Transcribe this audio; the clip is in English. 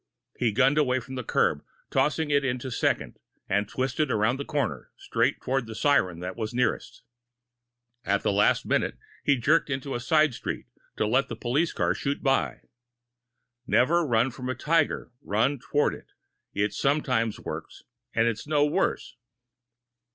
He gunned away from the curb, tossed it into second, and twisted around the corner, straight toward the siren that was nearest. At the last minute, he jerked to the side of the street, to let the police car shoot by. "Never run from a tiger run toward it. It sometimes works, and it's no worse."